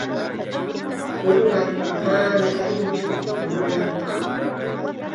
Purun allpaqa manam allitsu murunapaq.